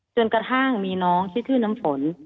จนกระทั่งมีน้องที่ชื่อน้ำฝน